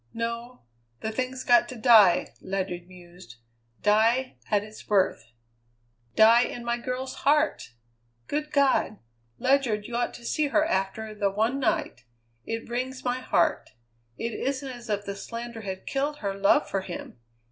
"No. The thing's got to die," Ledyard mused. "Die at its birth." "Die in my girl's heart! Good God! Ledyard, you ought to see her after the one night! It wrings my heart. It isn't as if the slander had killed her love for him.